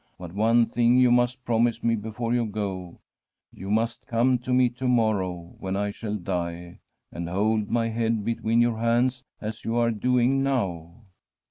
But one thing you must promise me before you go: you must come to me to morrow, when I shall die, and hold my head between your hands as you are doing now.'